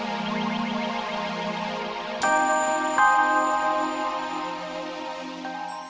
aduh nggak diangkat